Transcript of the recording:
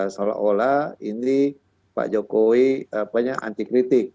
seolah olah ini pak jokowi anti kritik